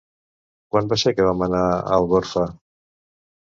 Quan va ser que vam anar a Algorfa?